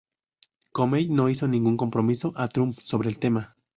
Comey no hizo ningún compromiso a Trump sobre el tema.